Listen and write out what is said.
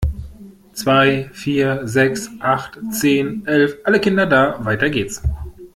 Zwei, vier, sechs, acht, zehn, elf, alle Kinder da! Weiter geht's.